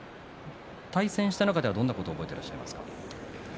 対戦した中でどんなことを覚えていますか？